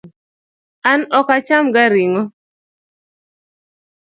An ok acham ga ring'o